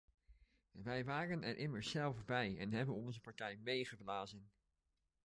Wij waren er immers zelf bij en hebben onze partij meegeblazen.